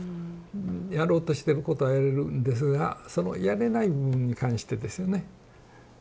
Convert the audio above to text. やろうとしてることはやれるんですがそのやれない部分に関してですよね特に。